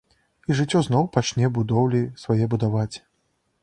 І жыццё зноў пачне будоўлі свае будаваць.